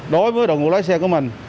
đối với đội ngũ lái xe của mình